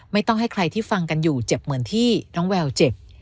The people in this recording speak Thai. ไม่ต้องให้ใครที่ฟังกันอยู่เจ็บเหมือนที่น้องแววเจ็บ